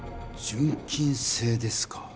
純金製ですか。